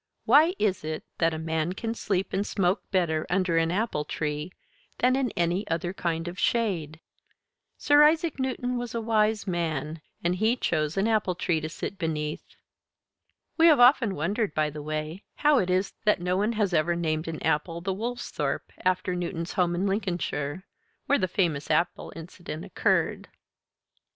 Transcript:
Why is it that a man can sleep and smoke better under an apple tree than in any other kind of shade? Sir Isaac Newton was a wise man, and he chose an apple tree to sit beneath. (We have often wondered, by the way, how it is that no one has ever named an apple the Woolsthorpe after Newton's home in Lincolnshire, where the famous apple incident occurred.)